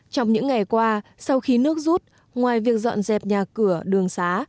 trong những ngày qua sau khi nước rút ngoài việc dọn dẹp nhà cửa đường xá